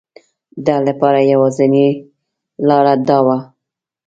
ده لپاره یوازینی لاره دا وه.